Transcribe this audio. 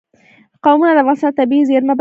قومونه د افغانستان د طبیعي زیرمو برخه ده.